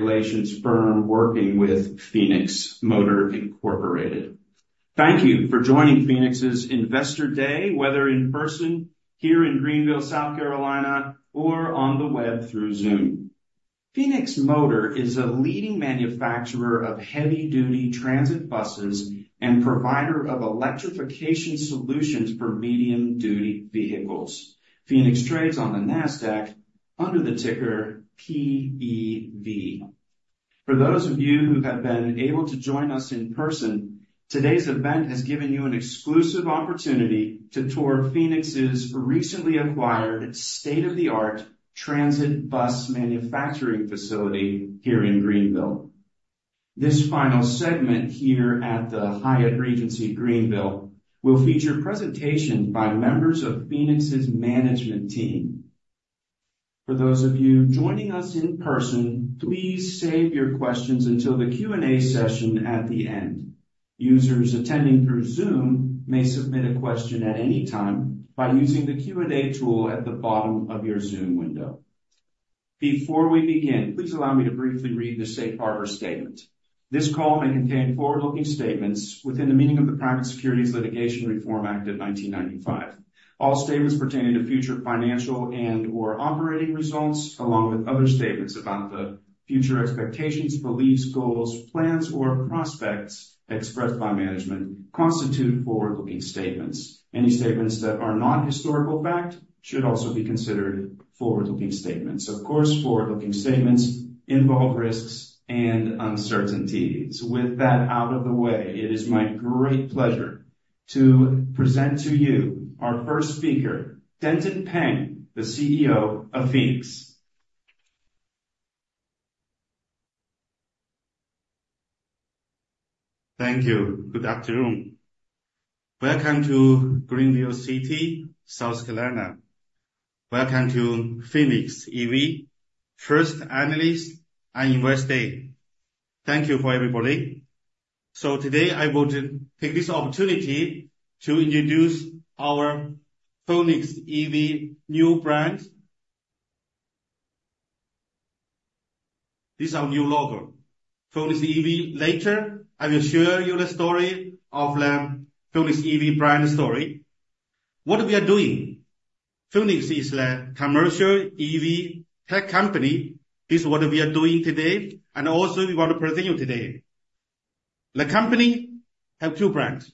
Relations firm working with Phoenix Motor Incorporated. Thank you for joining Phoenix's Investor Day, whether in person here in Greenville, South Carolina, or on the web through Zoom. Phoenix Motor is a leading manufacturer of heavy-duty transit buses and provider of electrification solutions for medium-duty vehicles. Phoenix trades on the NASDAQ under the ticker PEV. For those of you who have been able to join us in person, today's event has given you an exclusive opportunity to tour Phoenix's recently acquired state-of-the-art transit bus manufacturing facility here in Greenville. This final segment here at the Hyatt Regency Greenville will feature presentations by members of Phoenix's management team. For those of you joining us in person, please save your questions until the Q&A session at the end. Users attending through Zoom may submit a question at any time by using the Q&A tool at the bottom of your Zoom window. Before we begin, please allow me to briefly read the Safe Harbor Statement. This call may contain forward-looking statements within the meaning of the Private Securities Litigation Reform Act of 1995. All statements pertaining to future financial and/or operating results, along with other statements about the future expectations, beliefs, goals, plans, or prospects expressed by management, constitute forward-looking statements. Any statements that are not historical fact should also be considered forward-looking statements. Of course, forward-looking statements involve risks and uncertainties. With that out of the way, it is my great pleasure to present to you our first speaker, Denton Peng, the CEO of Phoenix. Thank you. Good afternoon. Welcome to Greenville City, South Carolina. Welcome to Phoenix EV. First analyst and investor day, thank you for everybody. So today I would take this opportunity to introduce our Phoenix EV new brand. This is our new logo, Phoenix EV. Later I will share you the story of the Phoenix EV brand story. What we are doing, Phoenix is a commercial EV tech company. This is what we are doing today, and also we want to present you today. The company has two brands.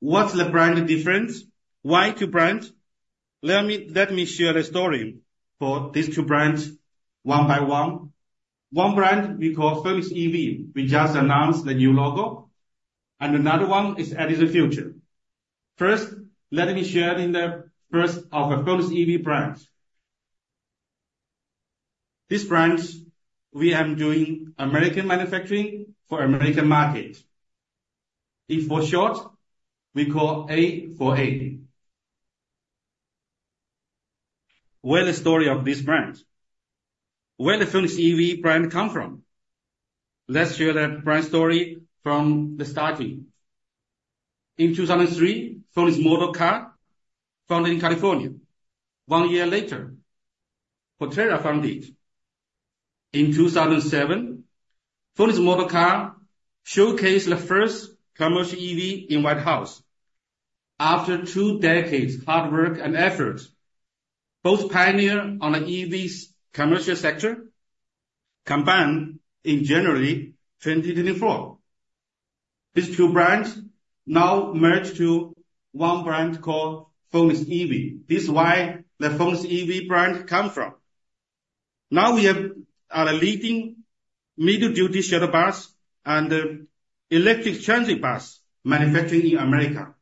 What's the brand difference? Why two brands? Let me share the story for these two brands one by one. One brand we call Phoenix EV. We just announced the new logo, and another one is EdisonFuture. First, let me share in the first of the Phoenix EV brands. This brand we are doing American manufacturing for American market. If, for short, we call A4A. Where is the story of this brand? Where does the Phoenix EV brand come from? Let's share the brand story from the start. In 2003, Phoenix Motorcars founded in California. One year later, Proterra founded. In 2007, Phoenix Motorcars showcased the first commercial EV in White House. After two decades of hard work and effort, both pioneered on the EV commercial sector, combined in January 2024. These two brands now merged to one brand called Phoenix EV. This is why the Phoenix EV brand comes from. Now we are leading medium-duty shuttle buses and electric transit buses manufacturing in America.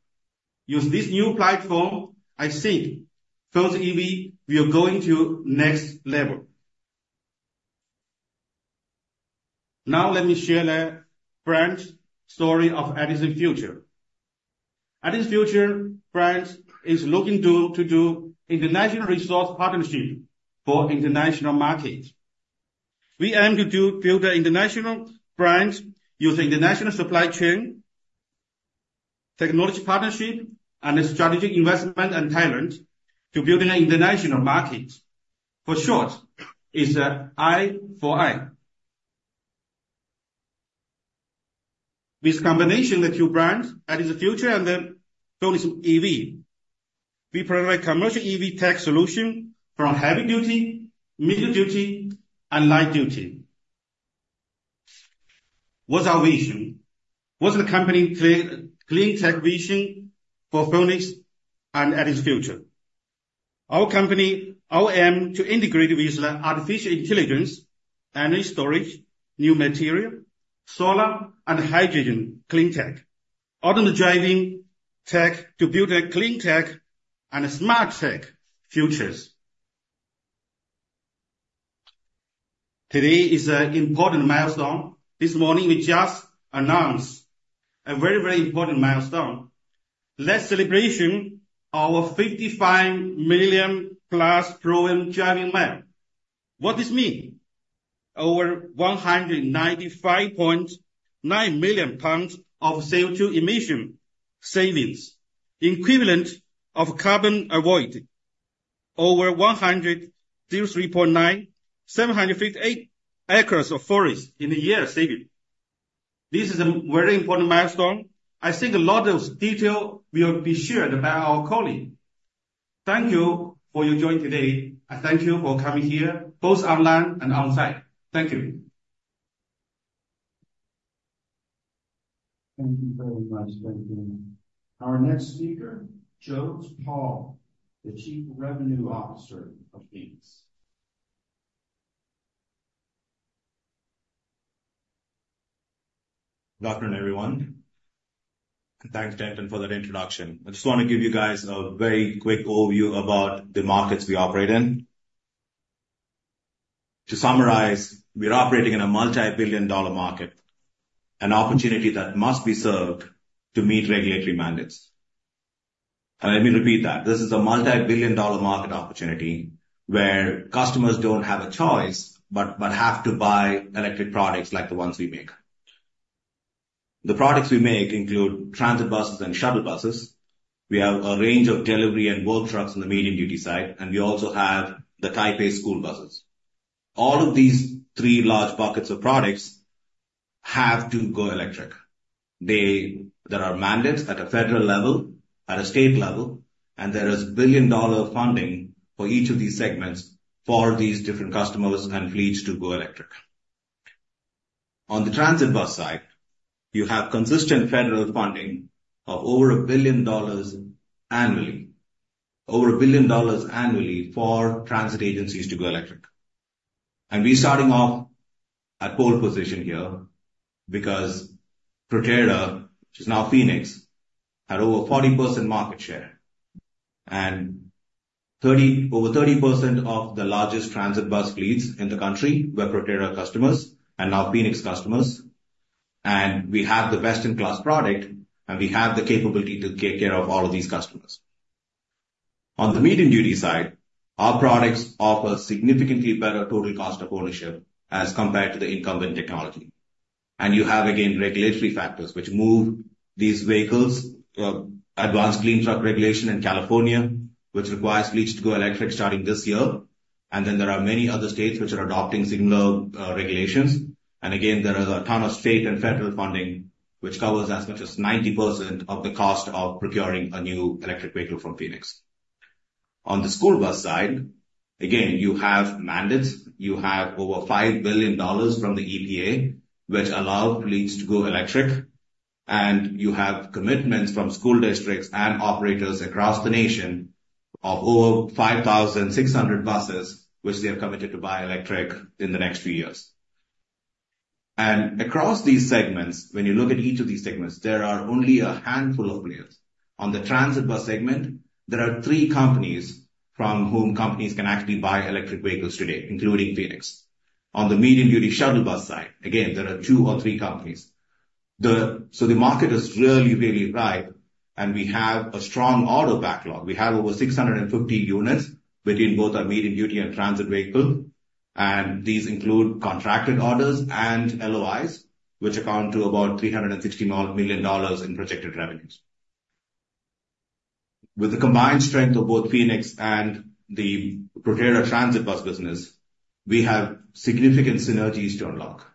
Use this new platform, I think Phoenix EV will go into the next level. Now let me share the brand story of EdisonFuture. EdisonFuture brand is looking to do international resource partnership for international markets. We aim to build an international brand using international supply chain, technology partnership, and strategic investment and talent to build an international market. For short, it's I4A. This combination of the two brands, EdisonFuture and Phoenix EV, we provide commercial EV tech solutions for heavy-duty, middle-duty, and light-duty. What's our vision? What's the company's clean tech vision for Phoenix and EdisonFuture? Our company aims to integrate with artificial intelligence, energy storage, new material, solar, and hydrogen clean tech, autonomous driving tech to build a clean tech and smart tech futures. Today is an important milestone. This morning we just announced a very, very important milestone. Let's celebrate our 55 million-plus problem-free driving miles. What does this mean? Over 195.9 million tons of CO2 emission savings, equivalent of carbon avoided, over 100,039,758 acres of forest in a year saved. This is a very important milestone. I think a lot of detail will be shared by our colleagues. Thank you for your joining today, and thank you for coming here, both online and onsite. Thank you. Thank you very much, Denton. Our next speaker, Jose Paul, the Chief Revenue Officer of Phoenix. Good afternoon, everyone. And thanks, Denton, for that introduction. I just want to give you guys a very quick overview about the markets we operate in. To summarize, we are operating in a multibillion-dollar market, an opportunity that must be served to meet regulatory mandates. And let me repeat that: this is a multibillion-dollar market opportunity where customers don't have a choice but have to buy electric products like the ones we make. The products we make include transit buses and shuttle buses. We have a range of delivery and work trucks on the medium-duty side, and we also have the Type A school buses. All of these three large buckets of products have to go electric. There are mandates at a federal level, at a state level, and there is billion-dollar funding for each of these segments for these different customers and fleets to go electric. On the transit bus side, you have consistent federal funding of over $1 billion annually, over $1 billion annually for transit agencies to go electric. We're starting off at pole position here because Proterra, which is now Phoenix, has over 40% market share. Over 30% of the largest transit bus fleets in the country were Proterra customers and now Phoenix customers. We have the best-in-class product, and we have the capability to take care of all of these customers. On the medium-duty side, our products offer significantly better total cost of ownership as compared to the incumbent technology. You have, again, regulatory factors which move these vehicles, Advanced Clean Trucks regulation in California, which requires fleets to go electric starting this year. Then there are many other states which are adopting similar regulations. And again, there is a ton of state and federal funding which covers as much as 90% of the cost of procuring a new electric vehicle from Phoenix. On the school bus side, again, you have mandates. You have over $5 billion from the EPA, which allows fleets to go electric. And you have commitments from school districts and operators across the nation of over 5,600 buses, which they are committed to buy electric in the next few years. And across these segments, when you look at each of these segments, there are only a handful of players. On the transit bus segment, there are three companies from whom companies can actually buy electric vehicles today, including Phoenix. On the medium-duty shuttle bus side, again, there are two or three companies. So the market is really, really ripe, and we have a strong order backlog. We have over 650 units between both our medium-duty and transit vehicle. These include contracted orders and LOIs, which account to about $360 million in projected revenues. With the combined strength of both Phoenix and the Proterra transit bus business, we have significant synergies to unlock.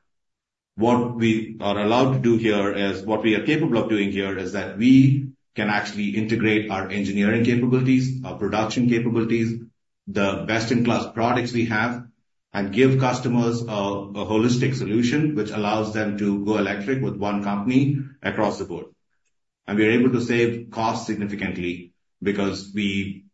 What we are allowed to do here is what we are capable of doing here is that we can actually integrate our engineering capabilities, our production capabilities, the best-in-class products we have, and give customers a holistic solution which allows them to go electric with one company across the board. We are able to save costs significantly because we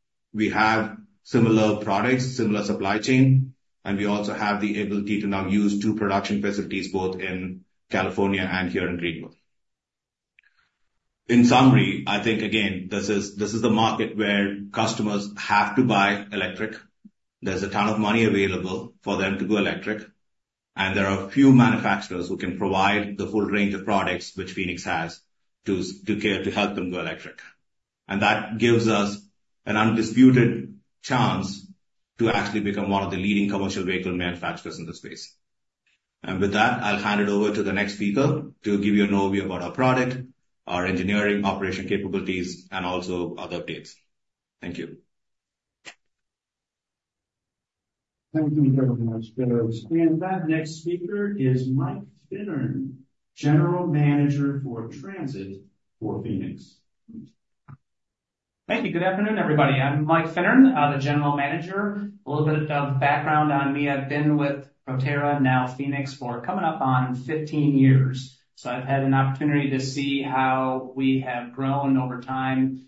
have similar products, similar supply chain, and we also have the ability to now use two production facilities both in California and here in Greenville. In summary, I think, again, this is the market where customers have to buy electric. There's a ton of money available for them to go electric, and there are few manufacturers who can provide the full range of products which Phoenix has to help them go electric. That gives us an undisputed chance to actually become one of the leading commercial vehicle manufacturers in the space. With that, I'll hand it over to the next speaker to give you an overview about our product, our engineering, operation capabilities, and also other updates. Thank you. Thank you very much, Jose. That next speaker is Mike Finnern, General Manager for Transit for Phoenix. Thank you. Good afternoon, everybody. I'm Mike Finnern, the General Manager. A little bit of background on me: I've been with Proterra, now Phoenix, for coming up on 15 years. So, I've had an opportunity to see how we have grown over time.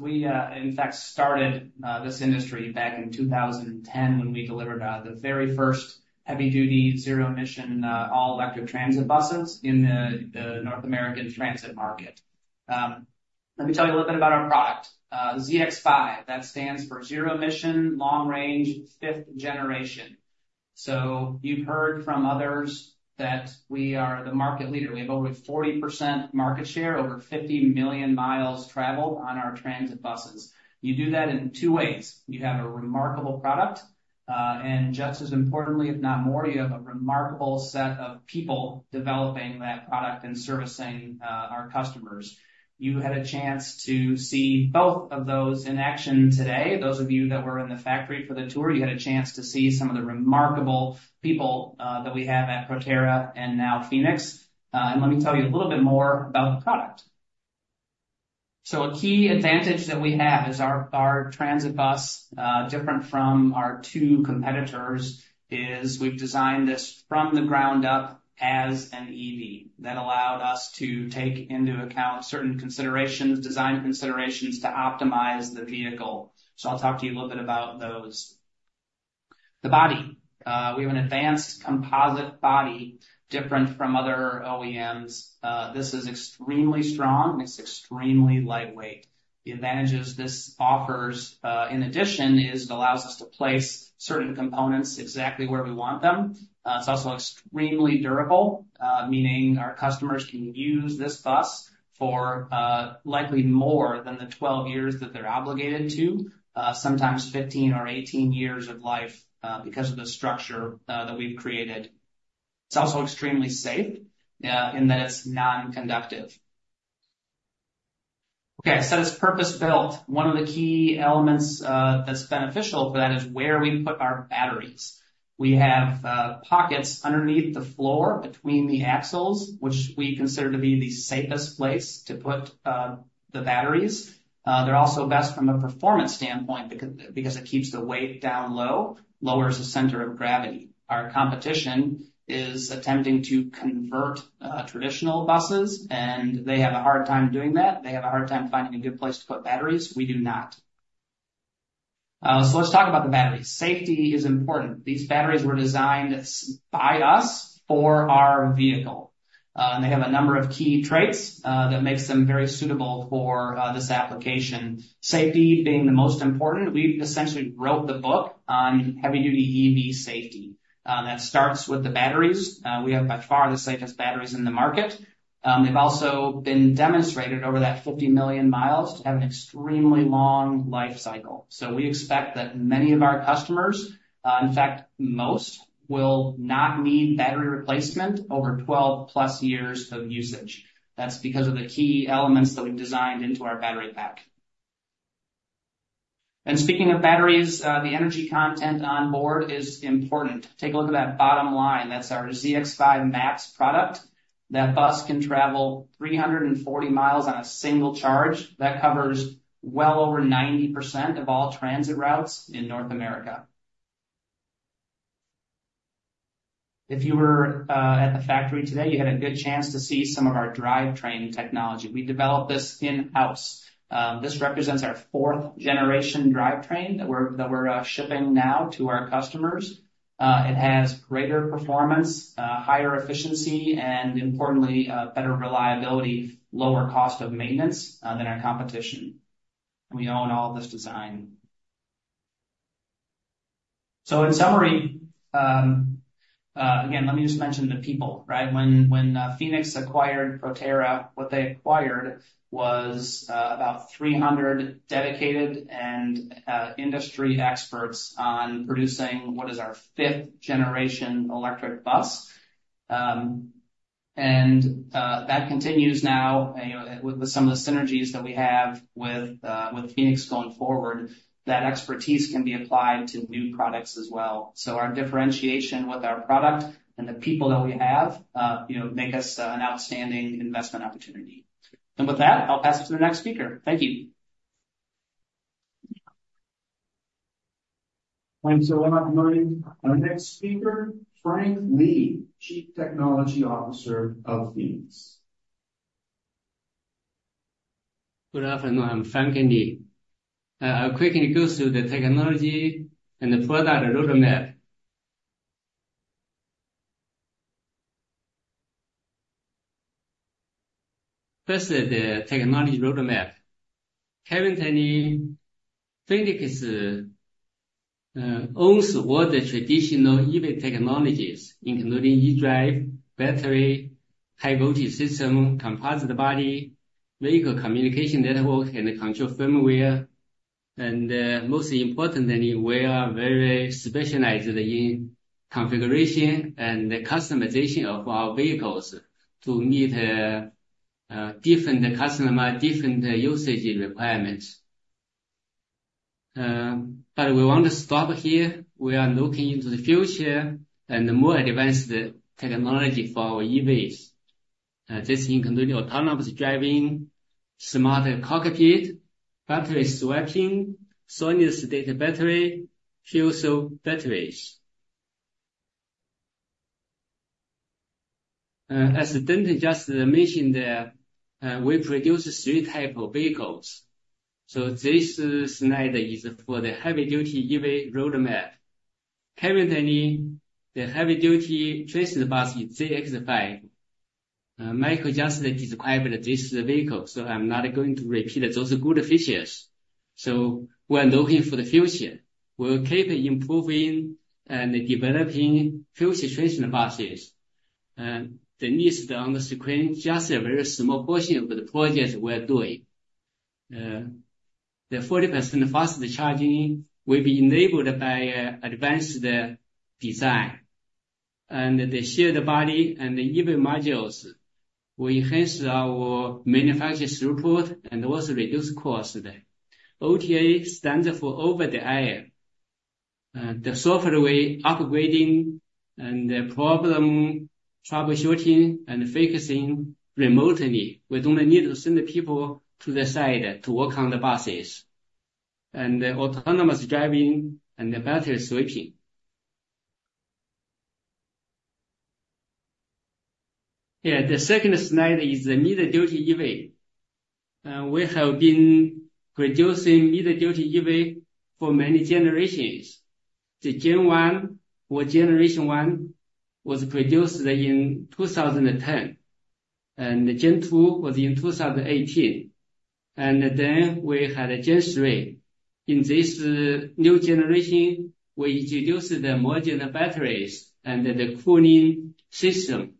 We, in fact, started this industry back in 2010 when we delivered the very first heavy-duty, zero-emission, all-electric transit buses in the North American transit market. Let me tell you a little bit about our product. ZX5, that stands for Zero Emission, Long Range, Fifth Generation. So, you've heard from others that we are the market leader. We have over 40% market share, over 50 million mi traveled on our transit buses. You do that in two ways. You have a remarkable product, and just as importantly, if not more, you have a remarkable set of people developing that product and servicing our customers. You had a chance to see both of those in action today. Those of you that were in the factory for the tour, you had a chance to see some of the remarkable people that we have at Proterra and now Phoenix. And let me tell you a little bit more about the product. So a key advantage that we have is our transit bus, different from our two competitors, is we've designed this from the ground up as an EV. That allowed us to take into account certain considerations, design considerations, to optimize the vehicle. So I'll talk to you a little bit about those. The body. We have an advanced composite body, different from other OEMs. This is extremely strong, and it's extremely lightweight. The advantages this offers, in addition, is it allows us to place certain components exactly where we want them. It's also extremely durable, meaning our customers can use this bus for likely more than the 12 years that they're obligated to, sometimes 15 years or 18 years of life because of the structure that we've created. It's also extremely safe in that it's nonconductive. Okay. I said it's purpose-built. One of the key elements that's beneficial for that is where we put our batteries. We have pockets underneath the floor between the axles, which we consider to be the safest place to put the batteries. They're also best from a performance standpoint because it keeps the weight down low, lowers the center of gravity. Our competition is attempting to convert traditional buses, and they have a hard time doing that. They have a hard time finding a good place to put batteries. We do not. So let's talk about the batteries. Safety is important. These batteries were designed by us for our vehicle, and they have a number of key traits that make them very suitable for this application. Safety being the most important, we've essentially wrote the book on heavy-duty EV safety. That starts with the batteries. We have by far the safest batteries in the market. They've also been demonstrated over that 50 million mi to have an extremely long life cycle. So we expect that many of our customers, in fact, most, will not need battery replacement over 12-plus years of usage. That's because of the key elements that we've designed into our battery pack. And speaking of batteries, the energy content on board is important. Take a look at that bottom line. That's our ZX5 Max product. That bus can travel 340 mi on a single charge. That covers well over 90% of all transit routes in North America. If you were at the factory today, you had a good chance to see some of our drivetrain technology. We developed this in-house. This represents our fourth-generation drivetrain that we're shipping now to our customers. It has greater performance, higher efficiency, and importantly, better reliability, lower cost of maintenance than our competition. We own all of this design. In summary, again, let me just mention the people, right? When Phoenix acquired Proterra, what they acquired was about 300 dedicated and industry experts on producing what is our fifth-generation electric bus. That continues now with some of the synergies that we have with Phoenix going forward. That expertise can be applied to new products as well. Our differentiation with our product and the people that we have make us an outstanding investment opportunity. With that, I'll pass it to the next speaker. Thank you. Thanks a lot, Mike. Our next speaker, Frank Lee, Chief Technology Officer of Phoenix. Good afternoon. I'm Frank Lee. I'll quickly go through the technology and the product roadmap. First, the technology roadmap. Key takeaway, Phoenix owns all the traditional EV technologies, including eDrive, battery, high-voltage system, composite body, vehicle communication network, and control firmware. And most importantly, we are very specialized in configuration and customization of our vehicles to meet different customers, different usage requirements. But we want to stop here. We are looking into the future and the more advanced technology for our EVs. This includes autonomous driving, smarter cockpit, battery swapping, solid-state battery, fuel cell batteries. As Denton just mentioned, we produce three types of vehicles. So, this slide is for the heavy-duty EV roadmap. Key takeaway, the heavy-duty transit bus is ZX5. Michael just described this vehicle, so I'm not going to repeat those good features. So, we are looking for the future. We're keeping improving and developing future transit buses. The list on the screen just a very small portion of the project we're doing. The 40% faster charging will be enabled by advanced design. And the shared body and the EV modules, we enhance our manufacturer's report and also reduce costs. OTA stands for over-the-air. The software way upgrading and problem troubleshooting and fixing remotely. We don't need to send the people on site to work on the buses. And autonomous driving and battery swapping. Yeah, the second slide is the mid-duty EV. We have been producing mid-duty EV for many generations. The Gen 1 or Generation 1 was produced in 2010, and the Gen 2 was in 2018. Then we had Gen 3. In this new generation, we introduced the modern batteries and the cooling system.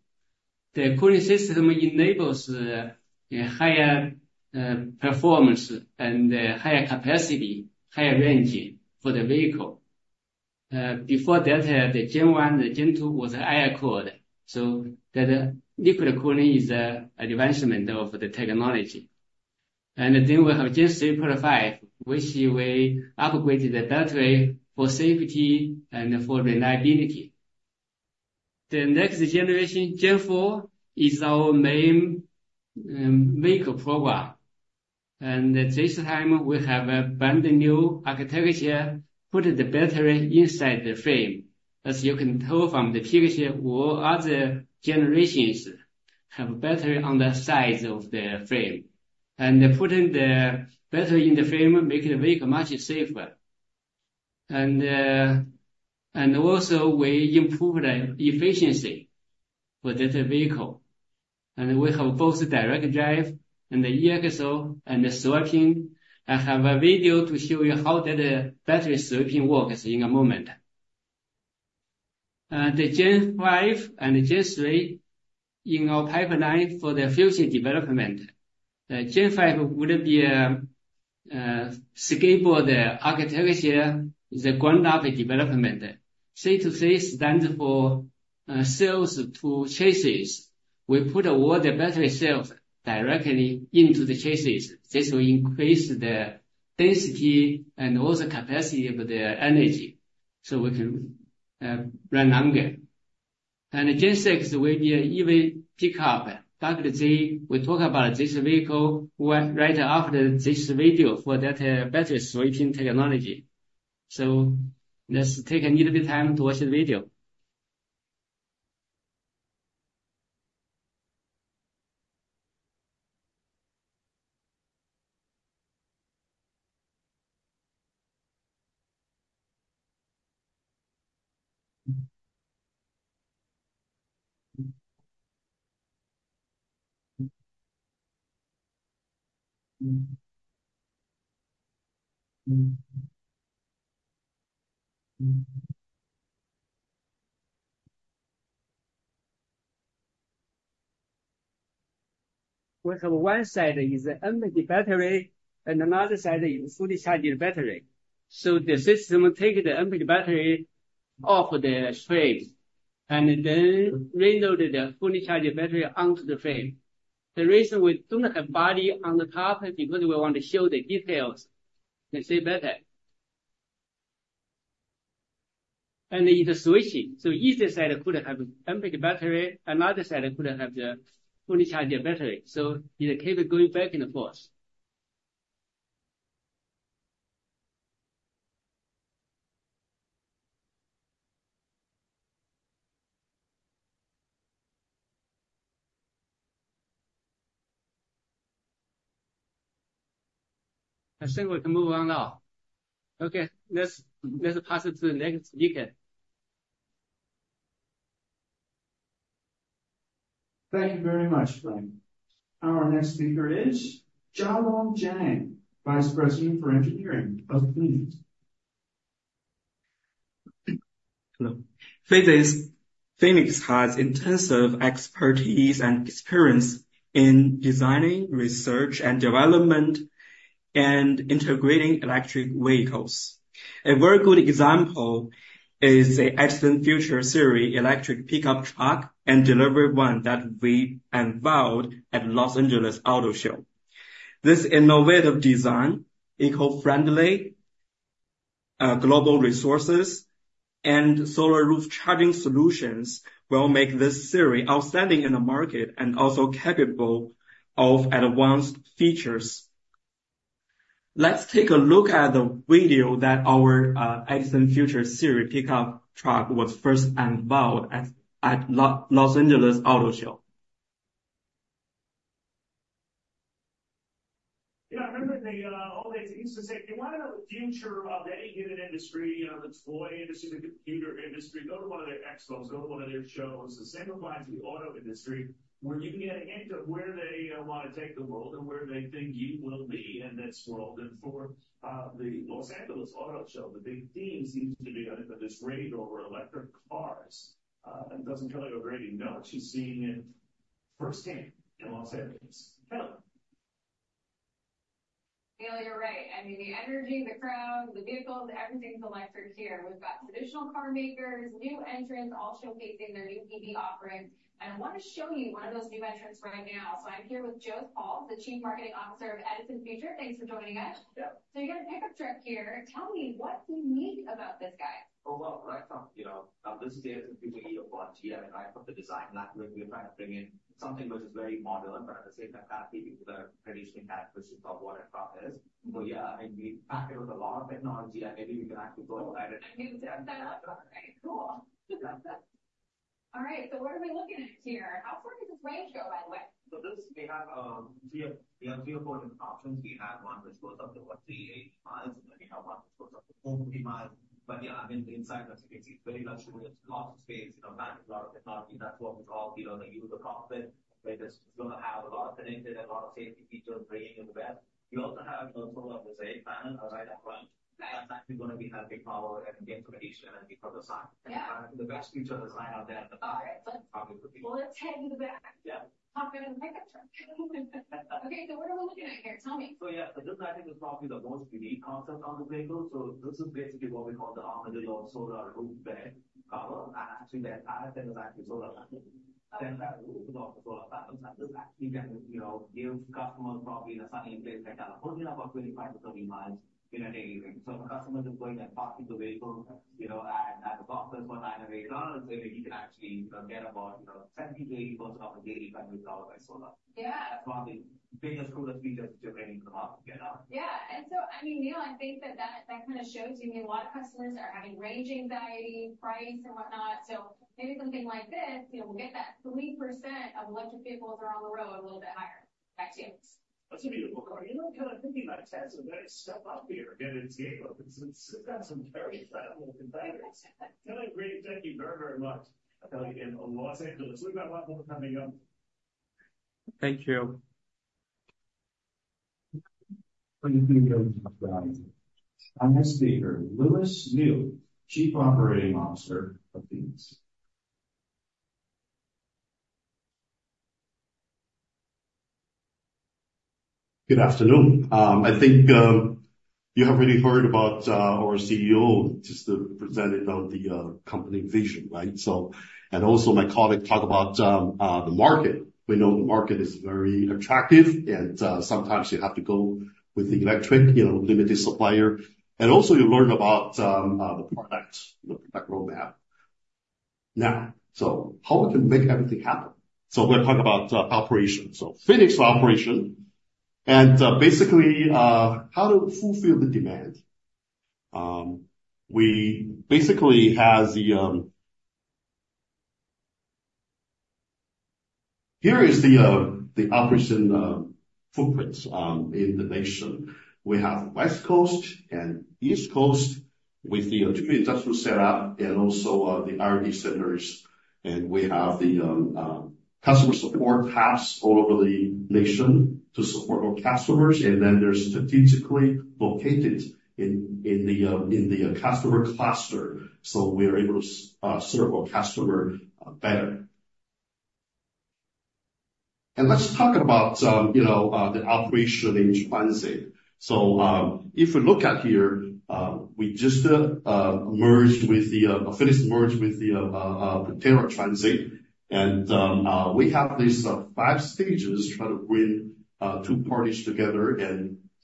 The cooling system enables higher performance and higher capacity, higher range for the vehicle. Before that, the Gen 1 and Gen 2 was air-cooled. So, the liquid cooling is an advancement of the technology. And then we have Gen 3.5, which we upgraded the battery for safety and for reliability. The next generation, Gen 4, is our main vehicle program. And this time, we have a brand new architecture, put the battery inside the frame. As you can tell from the picture, all other generations have a battery on the sides of the frame. And putting the battery in the frame makes the vehicle much safer. And also, we improved efficiency for this vehicle. And we have both direct drive and the EXO and the swapping. I have a video to show you how that battery swapping works in a moment. The Gen 5 and Gen 3 in our pipeline for the future development. Gen 5 would be a scalable architecture, is a ground-up development. C2C stands for Cell-to-Chassis. We put all the battery cells directly into the chassis. This will increase the density and also capacity of the energy so we can run longer. Gen 6 will be an EV pickup. Dr. J, we talk about this vehicle right after this video for that battery swapping technology. Let's take a little bit of time to watch the video. We have one side is an empty battery and another side is a fully charged battery. So the system takes the empty battery off the frame and then reloads the fully charged battery onto the frame. The reason we don't have a body on the top is because we want to show the details. You can see better. And it's switching. So either side could have an empty battery, another side could have the fully charged battery. So it keeps going back and forth. I think we can move on now. Okay. Let's pass it to the next speaker. Thank you very much, Frank. Our next speaker is Jialong Jiang, Vice President for Engineering of Phoenix. Hello. Phoenix has intensive expertise and experience in designing, research, and development, and integrating electric vehicles. A very good example is the EdisonFuture Series electric pickup truck and delivery van that we unveiled at the Los Angeles Auto Show. This innovative design, eco-friendly, global resources, and solar roof charging solutions will make this series outstanding in the market and also capable of advanced features. Let's take a look at the video that our EdisonFuture Series pickup truck was first unveiled at the Los Angeles Auto Show. Yeah, I remember all these used to say, "If you want to know the future of any given industry, the toy industry, the computer industry, go to one of their expos, go to one of their shows." The same applies to the auto industry, where you can get a hint of where they want to take the world and where they think you will be in this world. And for the Los Angeles Auto Show, the big theme seems to be this rage over electric cars. And doesn't Kelly O'Grady know? She's seeing it firsthand in Los Angeles. Kelly? Kelly, you're right. I mean, the energy, the crowd, the vehicles, everything's electric here. We've got traditional car makers, new entrants all showcasing their new EV offerings. And I want to show you one of those new entrants right now. So I'm here with Jose Paul, the Chief Marketing Officer of EdisonFuture. Thanks for joining us. So you got a pickup truck here. Tell me, what's unique about this guy? Well, when I talk about this is the EdisonFuture EV of luxury. I mean, I thought the design, we're trying to bring in something which is very modern, but at the same time, kind of keeping to the traditional characteristics of what a truck is. But yeah, I mean, we pack it with a lot of technology. And maybe we can actually go inside and. I can zoom that up. All right. Cool. All right. So what are we looking at here? How far does this range go, by the way? So we have three or four different options. We have one which goes up to, what, 380 mi, and then we have one which goes up to 450 mi. But yeah, I mean, inside, as you can see, it's very luxurious. Lots of space, a lot of technology. That's what we all use: the cockpit, which is going to have a lot of connected and a lot of safety features bringing it away. We also have a solar design panel right up front that's actually going to be helping power and get some additional energy from the side. But I think the best future design out there in the car is probably. All right. Let's take the back. Talk about the pickup truck. Okay. So what are we looking at here? Tell me. So yeah, so this, I think, is probably the most unique concept on the vehicle. So this is basically what we call the Armadillo solar roof bed cover. And actually, that added thing is actually solar panels. Then that roof is also solar panels. And this actually can give customers probably in a sunny place like California about 25 mi-30 mi in a day. So if a customer is just going and parking the vehicle at his office for 9:00 A.M. or 8:00 A.M., maybe he can actually get about 70%-80% of the daily battery power by solar. That's one of the biggest coolest features which we're bringing to the market right now. Yeah. And so, I mean, Neil, I think that that kind of shows you. I mean, a lot of customers are having range anxiety, price, and whatnot. So maybe something like this. We'll get that 3% of electric vehicles around the road a little bit higher. Back to you. That's a beautiful car. You know what? Kind of thinking about Tesla, they step up here and get in scale. It's got some very incredible competitors. Kelly, great. Thank you very, very much. Kelly, in Los Angeles, we've got a lot more coming up. Thank you. Thank you. Our next speaker, Lewis Liu, Chief Operating Officer of Phoenix. Good afternoon. I think you have already heard about our CEO just presented on the company vision, right? My colleague talked about the market. We know the market is very attractive, and sometimes you have to go with the electric, limited supplier. You learn about the product, the product roadmap. Now, how we can make everything happen. We're going to talk about operations. Phoenix operation. Basically, how to fulfill the demand. We basically have. Here is the operation footprint in the nation. We have West Coast and East Coast with the two industrial setup and also the R&D centers. We have the customer support hubs all over the nation to support our customers. They're strategically located in the customer cluster. We are able to serve our customer better. Let's talk about the operation in transit. So if we look here, we just merged with the Phoenix merged with the Proterra Transit. We have these five stages trying to bring two parties together.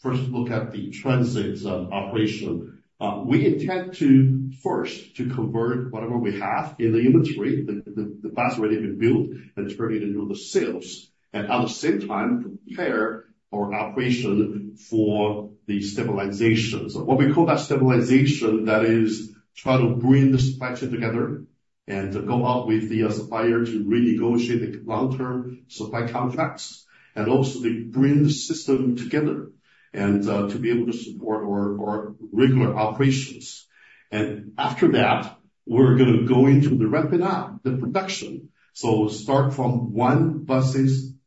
First, look at the transit operation. We intend first to convert whatever we have in the inventory, the bus already been built, and turn it into the sales. And at the same time, prepare our operation for the stabilization. So what we call that stabilization, that is trying to bring the supply chain together and go out with the supplier to renegotiate the long-term supply contracts. And also, they bring the system together to be able to support our regular operations. And after that, we're going to go into the ramping up, the production. So start from 1 bus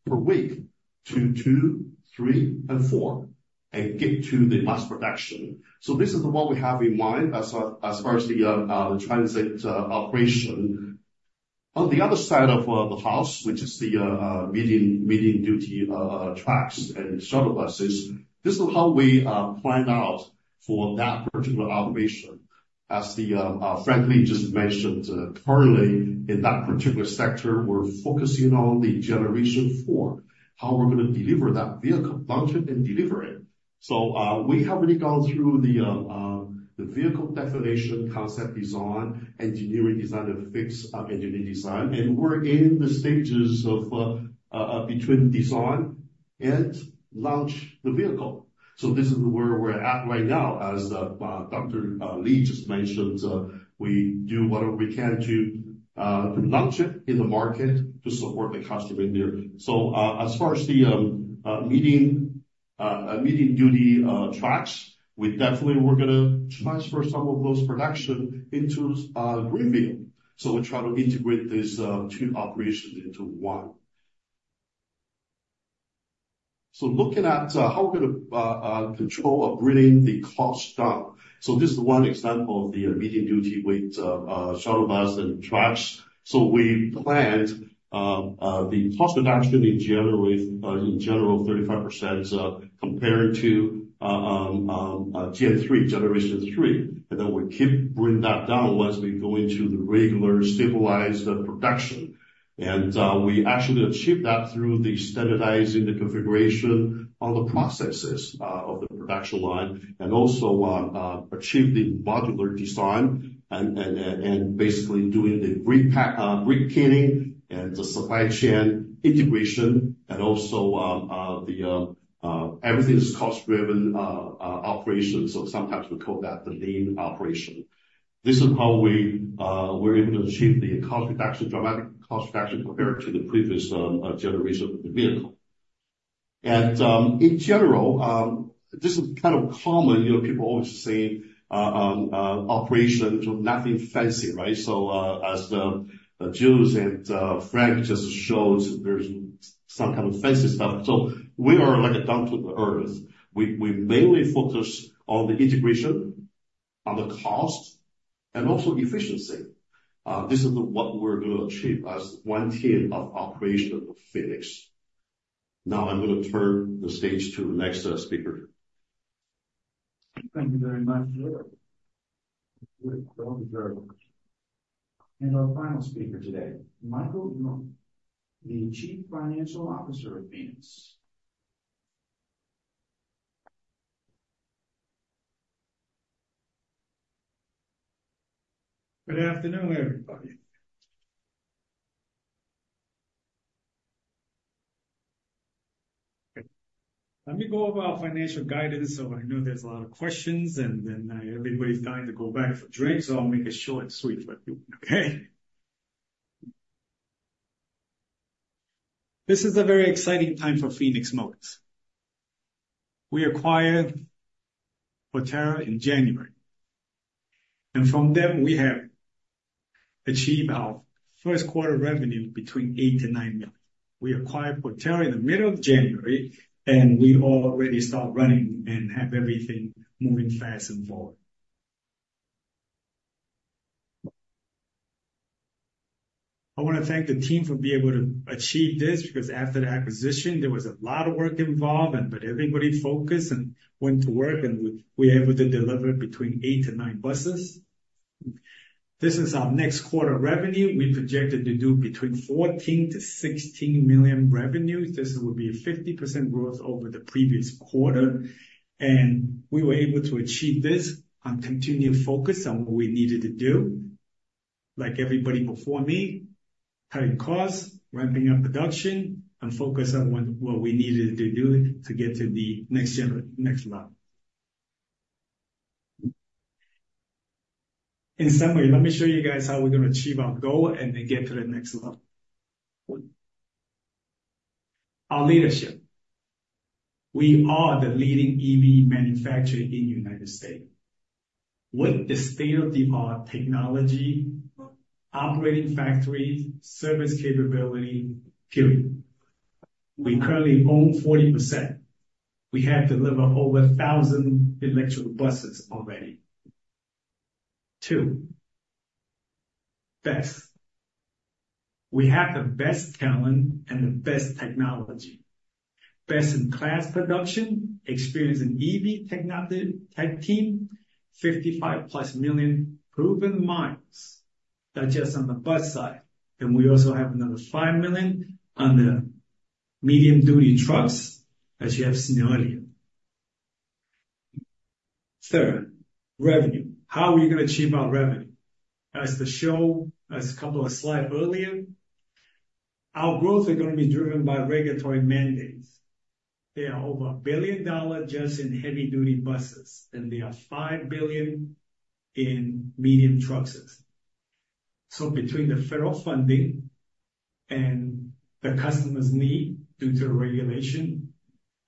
per week to 2, 3, and 4, and get to the mass production. So this is what we have in mind as far as the transit operation. On the other side of the house, which is the medium-duty trucks and shuttle buses, this is how we plan out for that particular operation. As Frank Lee just mentioned, currently, in that particular sector, we're focusing on the Generation 4, how we're going to deliver that vehicle, launch it, and deliver it. So we have already gone through the vehicle definition concept design, engineering design, and final engineering design. We're in the stages between design and launch the vehicle. So this is where we're at right now. As Dr. Lee just mentioned, we do whatever we can to launch it in the market to support the customer in there. So as far as the medium-duty trucks, we definitely were going to transfer some of those production into Greenville. So we try to integrate these two operations into one. So looking at how we're going to control bringing the cost down. So this is one example of the medium-duty EV shuttle bus and trucks. So we planned the cost reduction in general 35% compared to Gen 3, Generation 3. And then we keep bringing that down once we go into the regular stabilized production. And we actually achieved that through the standardizing the configuration on the processes of the production line and also achieved the modular design and basically doing the grid kitting and the supply chain integration. And also, everything is cost-driven operation. So sometimes we call that the lean operation. This is how we were able to achieve the cost reduction, dramatic cost reduction compared to the previous generation of the vehicle. And in general, this is kind of common. People always say operation, nothing fancy, right? So as Jialong and Frank just showed, there's some kind of fancy stuff. So we are like down to the earth. We mainly focus on the integration, on the cost, and also efficiency. This is what we're going to achieve as one team of operation of Phoenix. Now, I'm going to turn the stage to the next speaker. Thank you very much. Our final speaker today, Michael Yung, the Chief Financial Officer of Phoenix. Good afternoon, everybody. Let me go over our financial guidance. So I know there's a lot of questions, and then everybody's dying to go back for drinks. So I'll make it short and sweet for everyone, okay? This is a very exciting time for Phoenix Motor. We acquire Proterra in January. From them, we have achieved our first quarter revenue between $8 million-$9 million. We acquired Proterra in the middle of January, and we already start running and have everything moving fast and forward. I want to thank the team for being able to achieve this because after the acquisition, there was a lot of work involved. Everybody focused and went to work, and we were able to deliver between 8 busses-9 buses. This is our next quarter revenue. We projected to do between $14 million-$16 million revenue. This would be a 50% growth over the previous quarter. We were able to achieve this on continued focus on what we needed to do, like everybody before me, cutting costs, ramping up production, and focus on what we needed to do to get to the next level. In summary, let me show you guys how we're going to achieve our goal and then get to the next level. Our leadership. We are the leading EV manufacturer in the United States. With the state-of-the-art technology, operating factories, service capability. Period. We currently own 40%. We have delivered over 1,000 electric buses already. Two. Best. We have the best talent and the best technology. Best-in-class production, experience in EV tech team, 55+ million proven miles, not just on the bus side. We also have another 5 million on the medium-duty trucks, as you have seen earlier. Third, revenue. How are we going to achieve our revenue? As a couple of slides earlier, our growth is going to be driven by regulatory mandates. They are over $1 billion just in heavy-duty buses, and they are $5 billion in medium trucks. So between the federal funding and the customer's need due to regulation,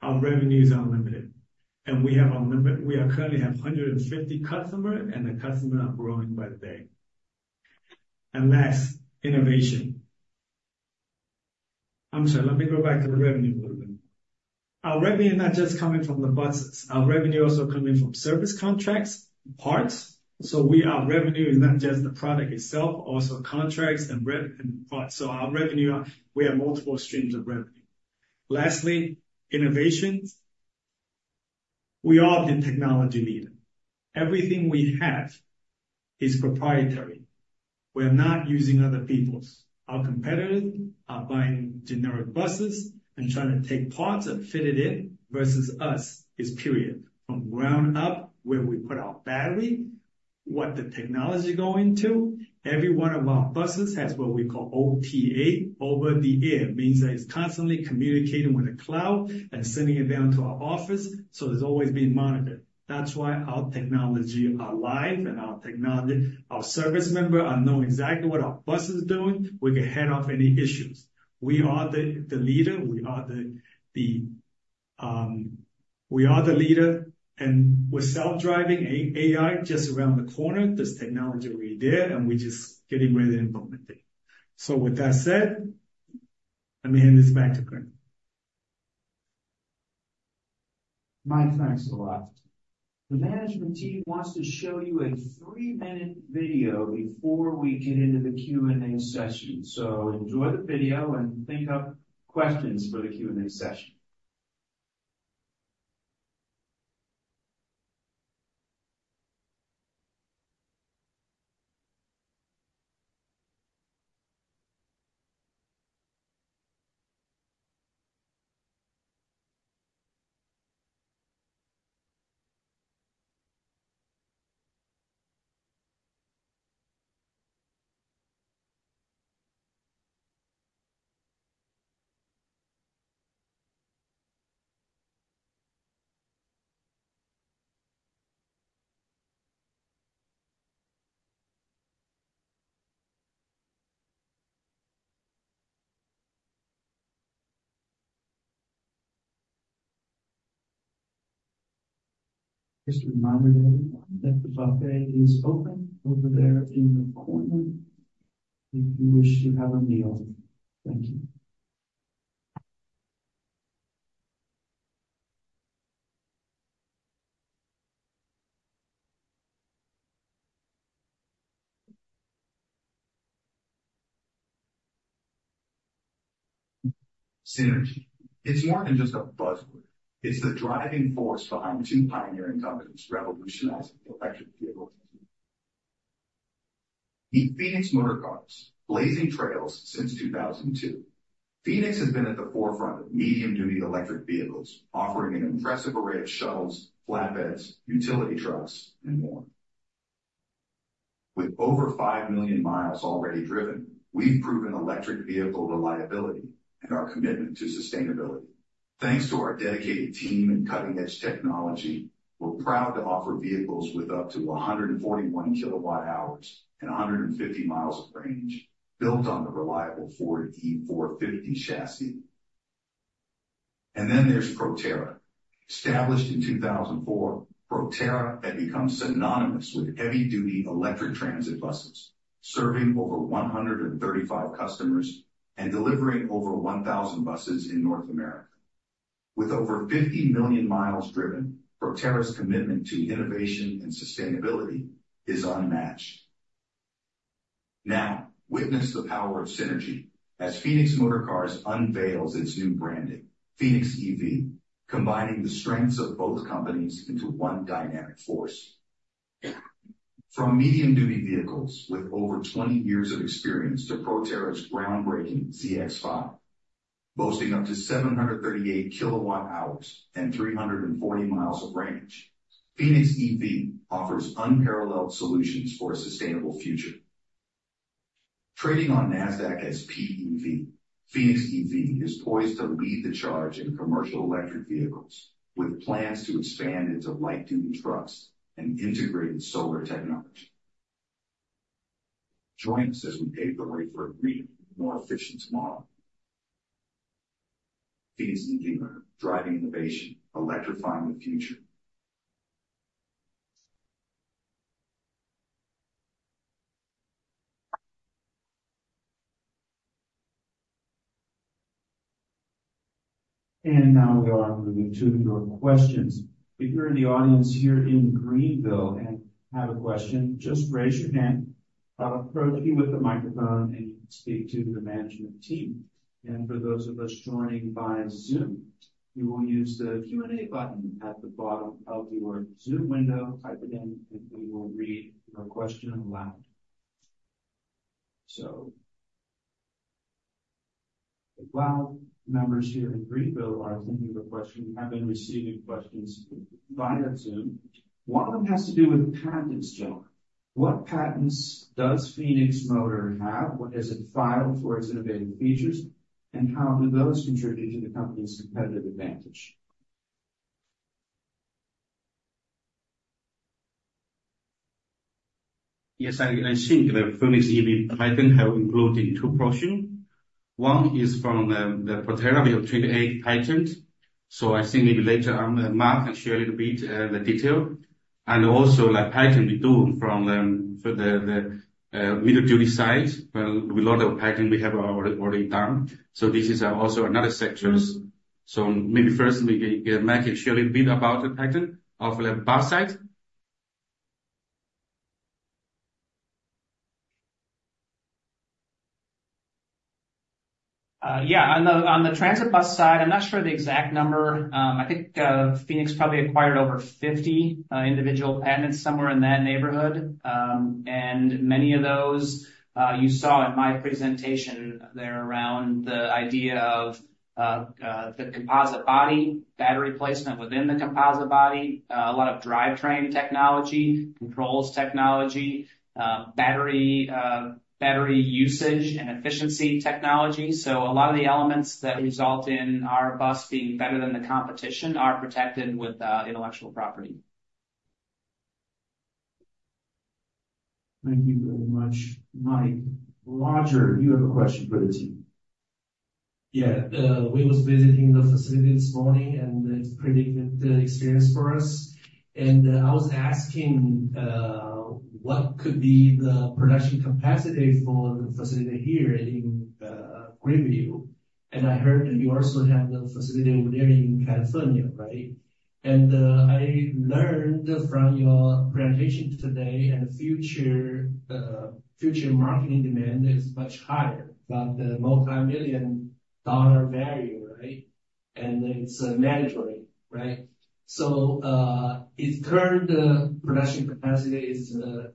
our revenue is unlimited. We are currently have 150 customers, and the customers are growing by the day. Last, innovation. I'm sorry. Let me go back to the revenue a little bit. Our revenue is not just coming from the buses. Our revenue is also coming from service contracts, parts. So our revenue is not just the product itself, also contracts and parts. So we have multiple streams of revenue. Lastly, innovation. We are the technology leader. Everything we have is proprietary. We are not using other people's. Our competitors are buying generic buses and trying to take parts and fit it in versus us. It's period. From ground up, where we put our battery, what the technology goes into, every one of our buses has what we call OTA over the air. Means that it's constantly communicating with the cloud and sending it down to our office. So it's always being monitored. That's why our technology is alive. And our service members know exactly what our bus is doing. We can head off any issues. We are the leader. We are the leader. And with self-driving AI just around the corner, this technology will be there, and we're just getting ready to implement it. So, with that said, let me hand this back to Craig. Mike, thanks a lot. The management team wants to show you a 3-minute video before we get into the Q&A session. So enjoy the video and think up questions for the Q&A session. Just a reminder, everyone, that the buffet is open over there in the corner if you wish to have a meal. Thank you. Synergy, it's more than just a buzzword. It's the driving force behind two pioneering companies revolutionizing electric vehicles. Meet Phoenix Motorcars, blazing trails since 2002. Phoenix has been at the forefront of medium-duty electric vehicles, offering an impressive array of shuttles, flatbeds, utility trucks, and more. With over 5 million mi already driven, we've proven electric vehicle reliability and our commitment to sustainability. Thanks to our dedicated team and cutting-edge technology, we're proud to offer vehicles with up to 141 kWh and 150 mi of range built on the reliable Ford E-450 chassis. And then there's Proterra. Established in 2004, Proterra had become synonymous with heavy-duty electric transit buses, serving over 135 customers and delivering over 1,000 buses in North America. With over 50 million mi driven, Proterra's commitment to innovation and sustainability is unmatched. Now, witness the power of synergy as Phoenix Motorcars unveils its new branding, Phoenix EV, combining the strengths of both companies into one dynamic force. From medium-duty vehicles with over 20 years of experience to Proterra's groundbreaking ZX5, boasting up to 738 kWh and 340 mi of range, Phoenix EV offers unparalleled solutions for a sustainable future. Trading on NASDAQ as PEV, Phoenix EV is poised to lead the charge in commercial electric vehicles with plans to expand into light-duty trucks and integrated solar technology. Join us as we pave the way for a greener, more efficient tomorrow. Phoenix EV, driving innovation, electrifying the future. Now we are moving to your questions. If you're in the audience here in Greenville and have a question, just raise your hand. I'll approach you with the microphone, and you can speak to the management team. For those of us joining by Zoom, you will use the Q&A button at the bottom of your Zoom window. Type it in, and we will read your question aloud. So a lot of members here in Greenville are thinking of a question. We have been receiving questions via Zoom. One of them has to do with patents, generally. What patents does Phoenix Motor have? What has it filed for its innovative features? And how do those contribute to the company's competitive advantage? Yes. I think Phoenix EV patent have included two portions. One is from the Proterra ZX patent. So I think maybe later on, Mike can share a little bit the detail. And also, patent we do from the medium-duty side. A lot of patent we have already done. So this is also another sector. So maybe first, maybe Mike can share a little bit about the patent on the bus side. Yeah. On the transit bus side, I'm not sure of the exact number. I think Phoenix probably acquired over 50 individual patents somewhere in that neighborhood. And many of those, you saw in my presentation, they're around the idea of the composite body, battery placement within the composite body, a lot of drivetrain technology, controls technology, battery usage, and efficiency technology. So a lot of the elements that result in our bus being better than the competition are protected with intellectual property. Thank you very much, Mike. Roger, you have a question for the team. Yeah. We was visiting the facility this morning, and it's a pretty good experience for us. And I was asking what could be the production capacity for the facility here in Greenville. And I heard that you also have the facility over there in California, right? And I learned from your presentation today, and the future marketing demand is much higher. About the $multi-million value, right? And it's mandatory, right? So is current production capacity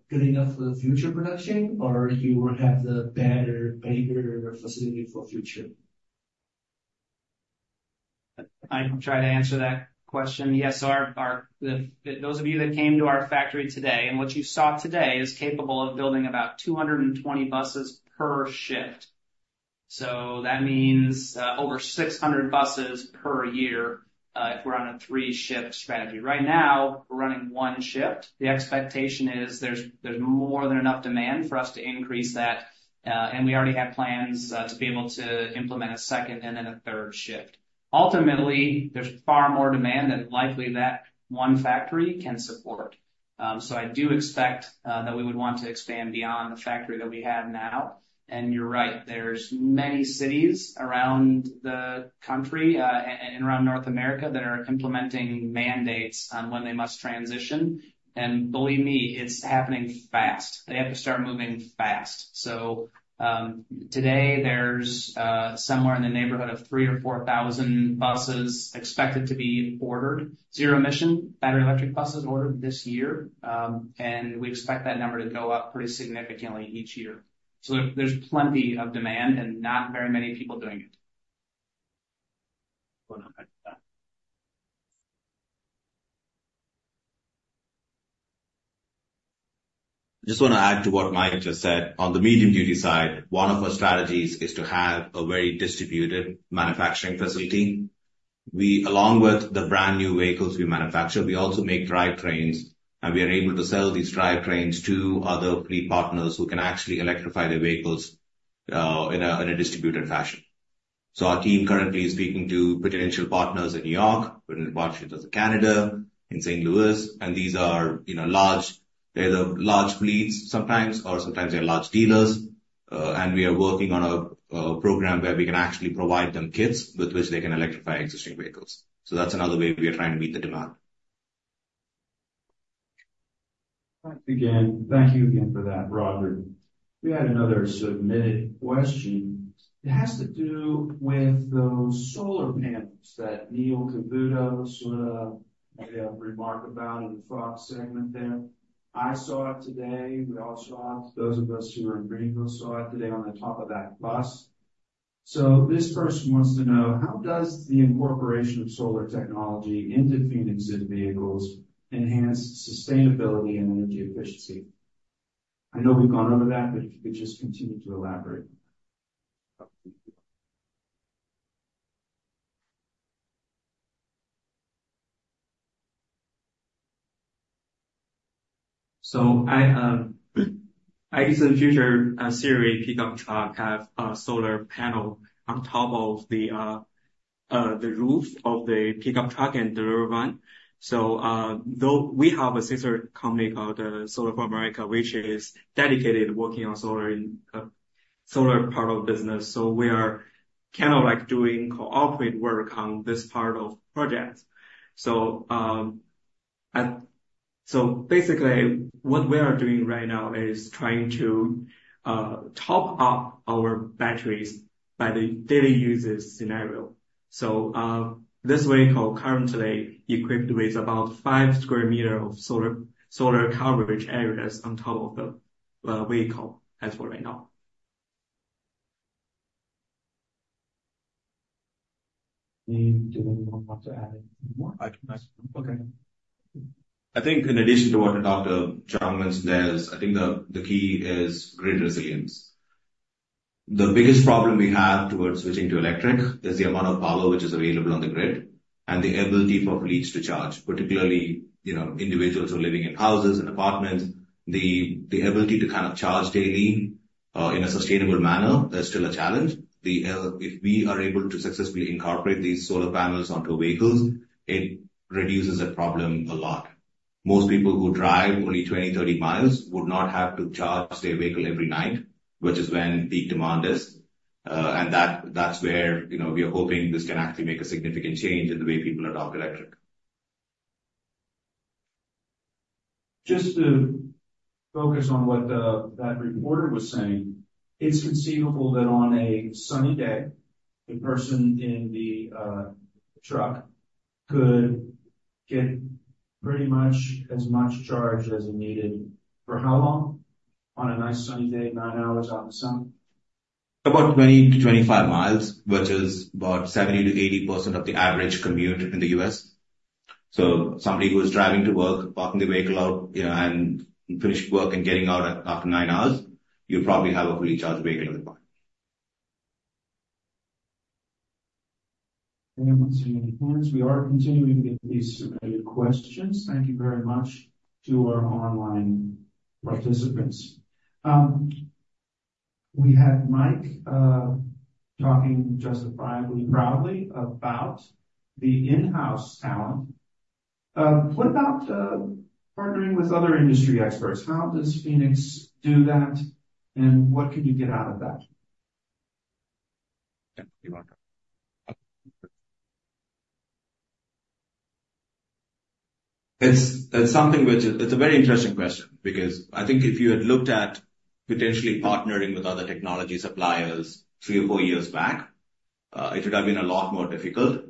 good enough for the future production, or you will have a better, bigger facility for the future? I'm trying to answer that question. Yes. Those of you that came to our factory today, and what you saw today is capable of building about 220 buses per shift. So that means over 600 buses per year if we're on a three-shift strategy. Right now, we're running one shift. The expectation is there's more than enough demand for us to increase that. And we already have plans to be able to implement a second and then a third shift. Ultimately, there's far more demand than likely that one factory can support. So I do expect that we would want to expand beyond the factory that we have now. And you're right. There's many cities around the country and around North America that are implementing mandates on when they must transition. And believe me, it's happening fast. They have to start moving fast. Today, there's somewhere in the neighborhood of 3,000 busses or 4,000 buses expected to be ordered, zero-emission battery electric buses ordered this year. We expect that number to go up pretty significantly each year. There's plenty of demand and not very many people doing it. I just want to add to what Mike just said. On the medium-duty side, one of our strategies is to have a very distributed manufacturing facility. Along with the brand new vehicles we manufacture, we also make drivetrains. And we are able to sell these drivetrains to other fleet partners who can actually electrify their vehicles in a distributed fashion. So our team currently is speaking to potential partners in New York, potential partners in Canada, in St. Louis. And these are large fleets sometimes, or sometimes they're large dealers. And we are working on a program where we can actually provide them kits with which they can electrify existing vehicles. So that's another way we are trying to meet the demand. Thanks again. Thank you again for that, Roger. We had another submitted question. It has to do with those solar panels that Neil Cavuto sort of made a remark about in the Fox segment there. I saw it today. We all saw it. Those of us who were in Greenville saw it today on the top of that bus. So this person wants to know, how does the incorporation of solar technology into Phoenix's vehicles enhance sustainability and energy efficiency? I know we've gone over that, but if you could just continue to elaborate on that. So I guess in the future, series pickup truck have a solar panel on top of the roof of the pickup truck and the rear van. So we have a sister company called Solar4America, which is dedicated working on solar part of business. So we are kind of doing cooperative work on this part of the project. So basically, what we are doing right now is trying to top up our batteries by the daily usage scenario. So this vehicle currently equipped with about five square meters of solar coverage areas on top of the vehicle as of right now. Do you want to add anything more? I can ask you something. Okay. I think in addition to what Dr. Jiang says, I think the key is grid resilience. The biggest problem we have towards switching to electric is the amount of power which is available on the grid and the ability for fleets to charge, particularly individuals who are living in houses and apartments. The ability to kind of charge daily in a sustainable manner is still a challenge. If we are able to successfully incorporate these solar panels onto vehicles, it reduces that problem a lot. Most people who drive only 20 mi, 30 mi would not have to charge their vehicle every night, which is when peak demand is. That's where we are hoping this can actually make a significant change in the way people adopt electric. Just to focus on what that reporter was saying, it's conceivable that on a sunny day, the person in the truck could get pretty much as much charge as he needed. For how long? On a nice sunny day, 9 hours out in the sun? About 20 mi-25 mi, which is about 70%-80% of the average commute in the U.S. Somebody who is driving to work, parking the vehicle out, and finished work and getting out after nine hours, you'll probably have a fully charged vehicle at the point. Anyone wants to raise their hands? We are continuing to get these submitted questions. Thank you very much to our online participants. We had Mike talking justifiably, proudly about the in-house talent. What about partnering with other industry experts? How does Phoenix do that, and what can you get out of that? Yeah. You want to talk? That's something which it's a very interesting question because I think if you had looked at potentially partnering with other technology suppliers three or four years back, it would have been a lot more difficult.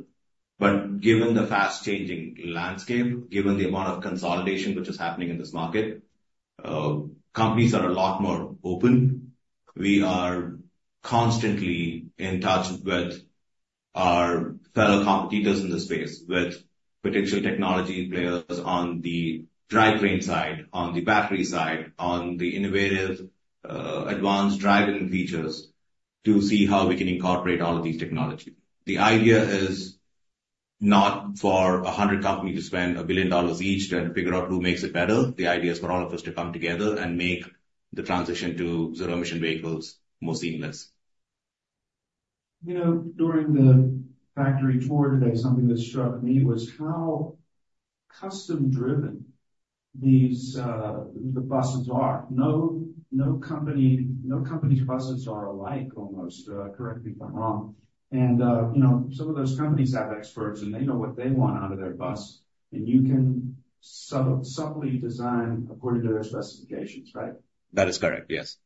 But given the fast-changing landscape, given the amount of consolidation which is happening in this market, companies are a lot more open. We are constantly in touch with our fellow competitors in the space with potential technology players on the drivetrain side, on the battery side, on the innovative, advanced driving features to see how we can incorporate all of these technologies. The idea is not for 100 companies to spend $1 billion each to figure out who makes it better. The idea is for all of us to come together and make the transition to zero-emission vehicles more seamless. During the factory tour today, something that struck me was how custom-driven the buses are. No company's buses are alike almost, correct me if I'm wrong. Some of those companies have experts, and they know what they want out of their bus. You can subtly design according to their specifications, right? That is correct. Yes.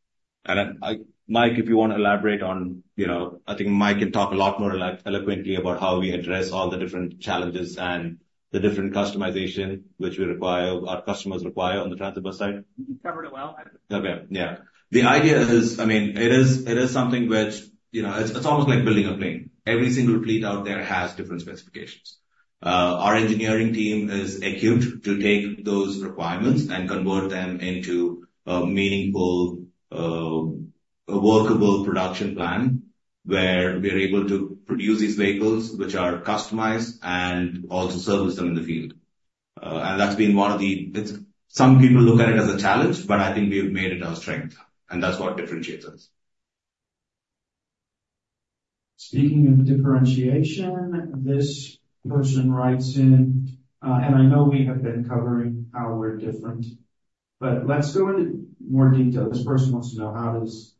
And Mike, if you want to elaborate on, I think, Mike can talk a lot more eloquently about how we address all the different challenges and the different customization which our customers require on the transit bus side. You covered it well. Okay. Yeah. The idea is, I mean, it is something which it's almost like building a plane. Every single fleet out there has different specifications. Our engineering team is attuned to take those requirements and convert them into a meaningful, workable production plan where we are able to produce these vehicles which are customized and also service them in the field. And that's been one of the some people look at it as a challenge, but I think we have made it our strength. And that's what differentiates us. Speaking of differentiation, this person writes in and I know we have been covering how we're different, but let's go into more detail. This person wants to know, how does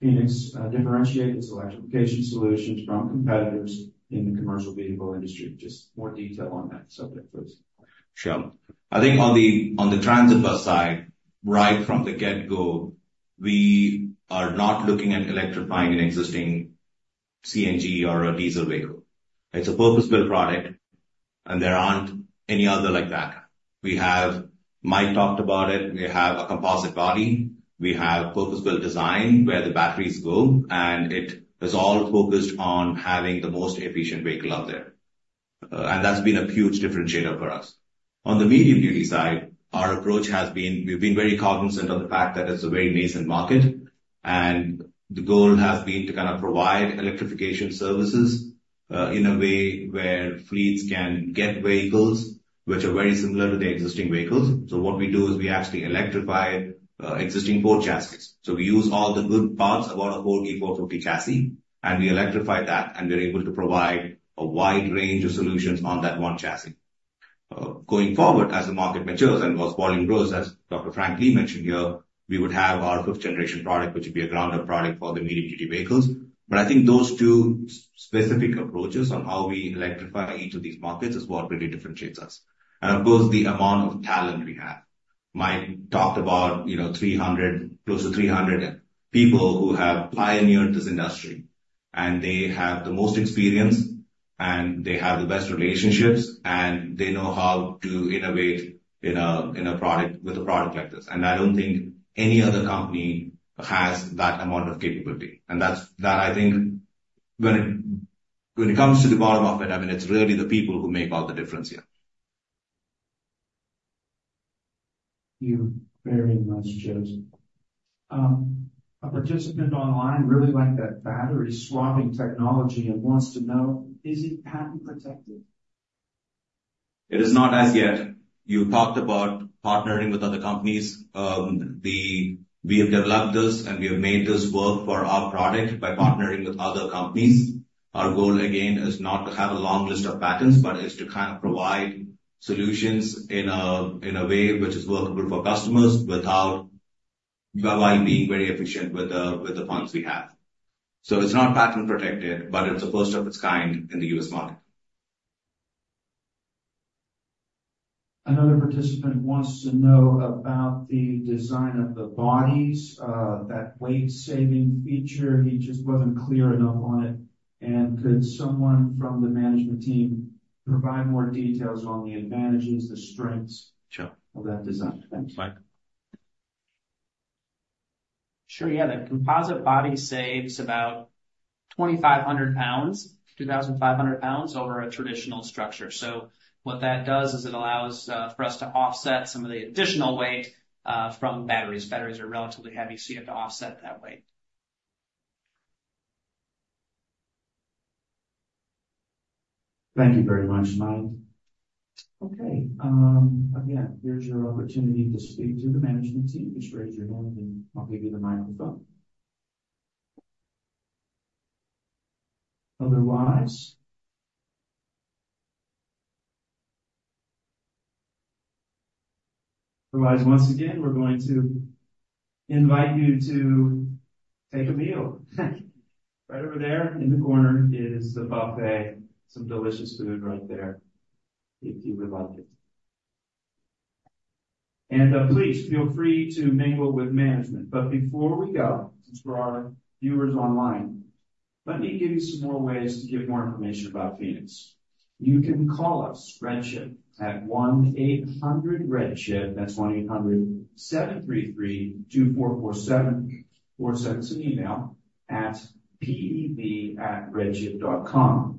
Phoenix differentiate its electrification solutions from competitors in the commercial vehicle industry? Just more detail on that subject, please. Sure. I think on the transit bus side, right from the get-go, we are not looking at electrifying an existing CNG or a diesel vehicle. It's a purpose-built product, and there aren't any other like that. Mike talked about it. We have a composite body. We have purpose-built design where the batteries go. And it is all focused on having the most efficient vehicle out there. And that's been a huge differentiator for us. On the medium-duty side, our approach has been we've been very cognizant of the fact that it's a very nascent market. And the goal has been to kind of provide electrification services in a way where fleets can get vehicles which are very similar to the existing vehicles. So what we do is we actually electrify existing Ford chassis. So we use all the good parts of our E-450 chassis, and we electrify that. We're able to provide a wide range of solutions on that one chassis. Going forward, as the market matures and its volume grows, as Dr. Frank Lee mentioned here, we would have our fifth-generation product, which would be a ground-up product for the medium-duty vehicles. But I think those two specific approaches on how we electrify each of these markets is what really differentiates us. And of course, the amount of talent we have. Mike talked about close to 300 people who have pioneered this industry. And they have the most experience, and they have the best relationships, and they know how to innovate with a product like this. And I don't think any other company has that amount of capability. And I think when it comes to the bottom of it, I mean, it's really the people who make all the difference here. Thank you very much, Joseph. A participant online really liked that battery-swapping technology and wants to know, is it patent-protected? It is not as yet. You talked about partnering with other companies. We have developed this, and we have made this work for our product by partnering with other companies. Our goal, again, is not to have a long list of patents, but it's to kind of provide solutions in a way which is workable for customers while being very efficient with the funds we have. So it's not patent-protected, but it's the first of its kind in the U.S. market. Another participant wants to know about the design of the bodies, that weight-saving feature. He just wasn't clear enough on it. Could someone from the management team provide more details on the advantages, the strengths of that design? Thanks. Sure. Yeah. The composite body saves about 2,500 lbs, 2,500 lbs, over a traditional structure. So what that does is it allows for us to offset some of the additional weight from batteries. Batteries are relatively heavy, so you have to offset that weight. Thank you very much, Mike. Okay. Again, here's your opportunity to speak to the management team. Just raise your hand, and I'll give you the microphone. Otherwise? Otherwise, once again, we're going to invite you to take a meal. Right over there in the corner is the buffet, some delicious food right there if you would like it. And please feel free to mingle with management. But before we go, since we have our viewers online, let me give you some more ways to get more information about Phoenix. You can call us, RedChip, at 1-800-REDCHIP. That's 1-800-733-2447. Or send us an email at pev@redchip.com.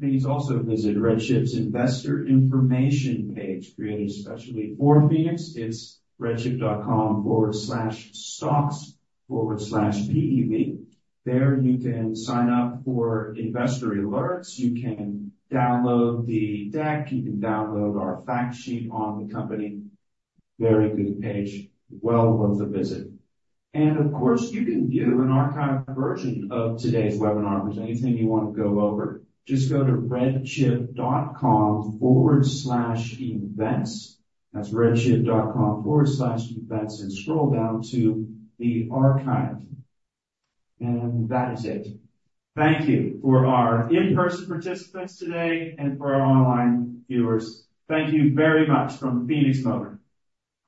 Please also visit RedChip's investor information page, created specially for Phoenix. It's redchip.com/stocks/pev. There you can sign up for investor alerts. You can download the deck. You can download our fact sheet on the company. Very good page. Well worth a visit. And of course, you can view an archived version of today's webinar. If there's anything you want to go over, just go to redchip.com/events. That's redchip.com/events, and scroll down to the archive. And that is it. Thank you for our in-person participants today and for our online viewers. Thank you very much from Phoenix Motor.